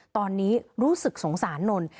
ตอนนี้รู้สึกสงสารนนท์